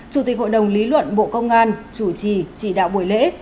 chủ tịch hội đồng lý luận bộ công an chủ trì chỉ đạo buổi lễ